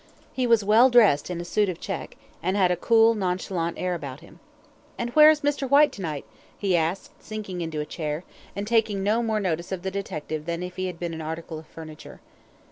He was well dressed in a suit of check, and had a cool, nonchalant air about him. "And where is Mr. Whyte to night?" he asked, sinking into a chair, and taking no more notice of the detective than if he had been an article of furniture.